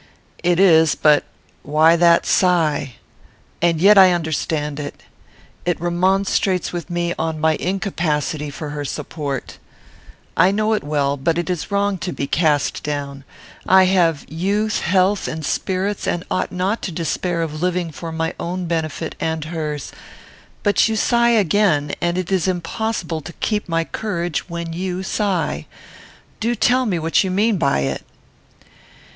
"It is; but why that sigh? And yet I understand it. It remonstrates with me on my incapacity for her support. I know it well, but it is wrong to be cast down. I have youth, health, and spirits, and ought not to despair of living for my own benefit and hers; but you sigh again, and it is impossible to keep my courage when you sigh. Do tell me what you mean by it."